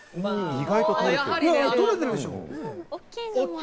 意外と捕れてる。